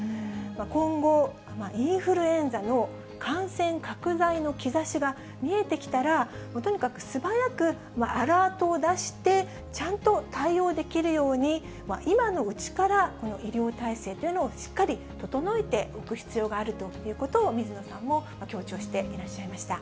今後、インフルエンザの感染拡大の兆しが見えてきたら、とにかく素早くアラートを出して、ちゃんと対応できるように、今のうちから医療体制というのをしっかり整えておく必要があるということを、水野さんも強調していらっしゃいました。